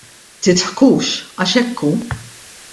Tidħkux għax hekk hu!